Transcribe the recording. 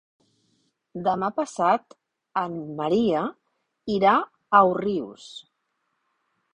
Demà passat en Maria irà a Òrrius.